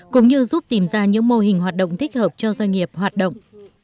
cũng như giúp tìm ra những mô hình hoạt động thích hợp cho doanh nghiệp hoạt động